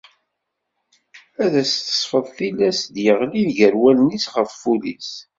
Ad as-tesfeḍ tillas d-yeɣlin gar wallen-is, ɣef wul-is.